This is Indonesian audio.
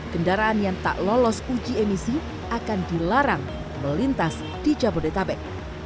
kendaraan yang tak lolos uji emisi akan dilarang melintas di jabodetabek